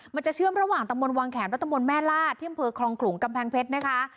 มันจะเชื่อมระหว่างตะบนวังแขมและตะบนแม่ราดที่เฮียดคลองกหลุงกำแพงเพชรนะคะ